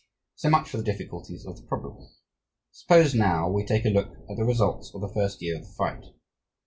So much for the difficulties of the problem. Suppose now we take a look at the results of the first year of the fight.